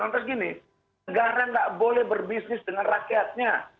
lantas gini negara nggak boleh berbisnis dengan rakyatnya